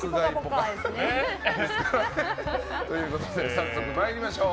早速参りましょう。